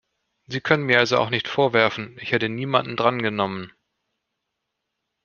Sie können mir also auch nicht vorwerfen, ich hätte niemand drangenommen.